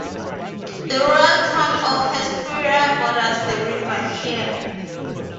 The rural town of Hesperia borders the river here.